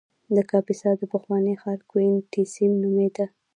د کاپیسا د پخواني ښار کوینټیسیم نومېده